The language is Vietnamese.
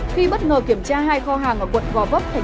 khi bất ngờ kiểm tra hai kho hàng